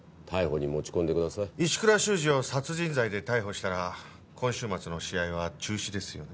石倉衆二を殺人罪で逮捕したら今週末の試合は中止ですよね。